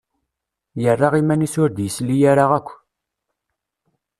Yerra iman-is ur d-yesli ara akk.